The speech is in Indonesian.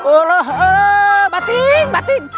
alah alah batin batin